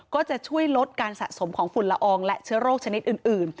ก็จะช่วยลดการสะสมของฝุ่นละอองและเชื้อโรคชนิดอื่น